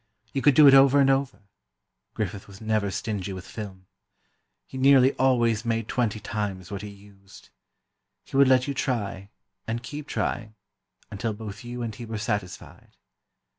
You could do it over and over—Griffith was never stingy with film. He nearly always made twenty times what he used. He would let you try, and keep trying, until both you and he were satisfied.